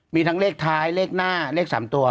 มีทั้งเลขท้ายเลขหน้าเลข๓ตัว